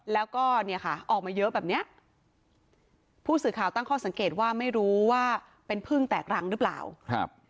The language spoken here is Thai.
แล้วก็เนี่ยค่ะออกมาเยอะแบบเนี้ยผู้สื่อข่าวตั้งข้อสังเกตว่าไม่รู้ว่าเป็นพึ่งแตกรังหรือเปล่าครับ